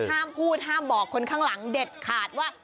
ห้ามพูดห้ามบอกคนข้างหลังเด็ดขาดว่า